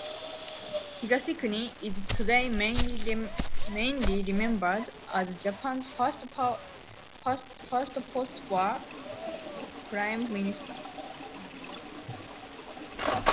Higashikuni is today mainly remembered as Japan's first postwar prime minister.